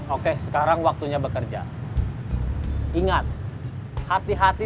oke sekarang waktunya bekerja ingat hati hati